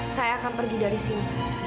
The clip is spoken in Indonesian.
saya akan pergi dari sini